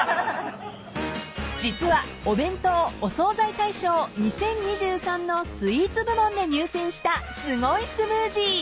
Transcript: ［実はお弁当・お惣菜大賞２０２３のスイーツ部門で入選したすごいスムージー］